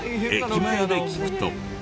駅前で聞くと。